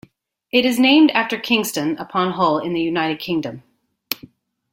It is named after Kingston upon Hull in the United Kingdom.